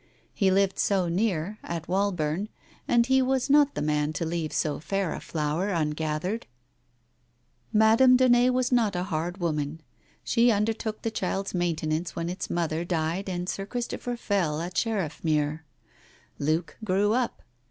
He lived so near, at Wallburn, and he was not the man to leave so fair a flower ungathered. Madam Daunet was not a hard woman. She under took the child's maintenance when its mother died and Sir Christopher fell at Sheriffmuir. Luke grew up.